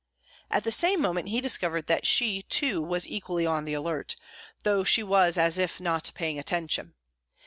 At the same moment he discovered that she too was equally on the alert, though she was as if not paying attention.